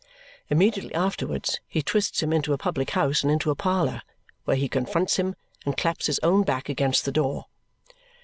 Immediately afterwards, he twists him into a public house and into a parlour, where he confronts him and claps his own back against the door.